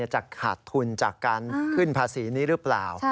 จะขาดทุนจากการขึ้นภาษีนี้หรือเปล่า